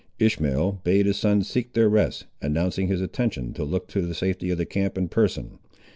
Ishmael bade his sons seek their rest, announcing his intention to look to the safety of the camp in person.